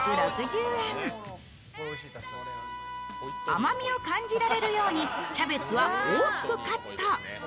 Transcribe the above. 甘みを感じられるようにキャベツは大きくカット。